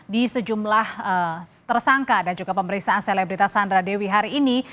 di sejumlah tersangka dan juga pemeriksaan selebritas sandra dewi hari ini